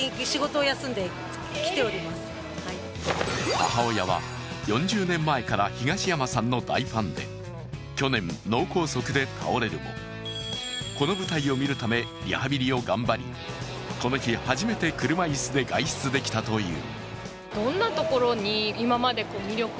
母親は４０年前から東山さんのファンで去年、脳梗塞で倒れるもこの舞台を見るためリハビリを頑張りこの日、初めて車いすで外出できたという。